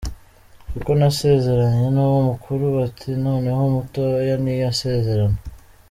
Kuko nasezeranye n’uwo mukuru bati ‘noneho umutoya ntiyasezerana.